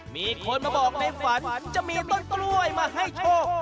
มีคนมาบอกในฝันจะมีต้นกล้วยมาให้โชค